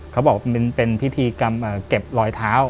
เขาบอกมันเป็นพิธีกรรมเก็บรอยเท้า